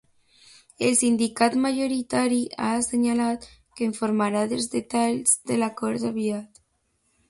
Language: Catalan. El sindicat majoritari ha assenyalat que informarà dels detalls de l’acord aviat.